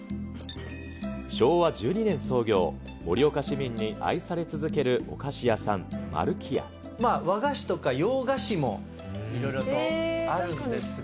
昭和１２年創業、盛岡市民に愛され続けるお菓子屋さん、和菓子とか洋菓子もいろいろとあるんですが。